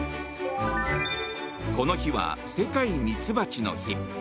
この日は、世界ミツバチの日。